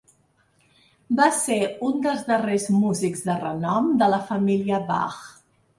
Va ser un dels darrers músics de renom de la família Bach.